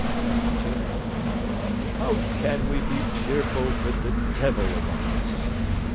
MR TOOBAD How can we be cheerful with the devil among us!